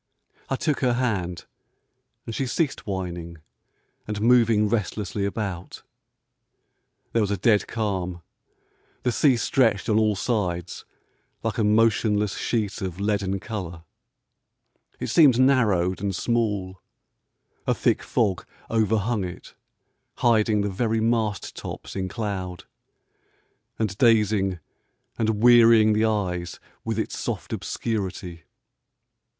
I took her hand, and she ceased whining and moving restlessly about. There was a dead calm. The sea stretched on all sides like a motionless sheet of leaden colour. It seemed narrowed and small ; a thick fog overhung it, hiding the very mast tops in 317 POEMS IN PROSE cloud, and dazing and wearying the eyes with its soft obscurity.